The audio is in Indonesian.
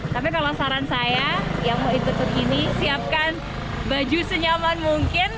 tapi kalau saran saya yang mau ikut begini siapkan baju senyaman mungkin